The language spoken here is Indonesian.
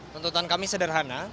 tuntutan kami sederhana